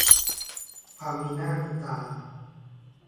ความมีหน้ามีตา